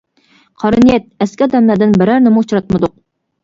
قارا نىيەت، ئەسكى ئادەملەردىن بىرەرنىمۇ ئۇچراتمىدۇق.